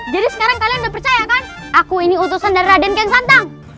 jadi sekarang kalian udah percaya kan aku ini utusan dari raden kiyosantang